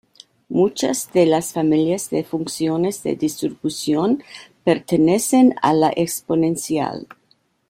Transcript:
Muchas de las familias de funciones de distribución pertenecen a la exponencial.